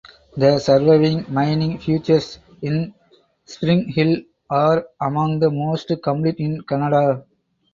The surviving mining features in Springhill are among the most complete in Canada.